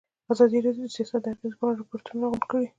ازادي راډیو د سیاست د اغېزو په اړه ریپوټونه راغونډ کړي.